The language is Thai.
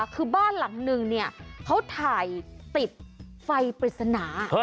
คือบ้านหลังนึงเขาถ่ายติดไฟปริศนา